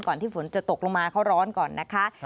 ที่ฝนจะตกลงมาเขาร้อนก่อนนะคะ